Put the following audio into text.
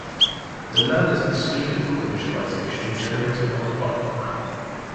The NaN is excluded from the visualization generated by the plot command.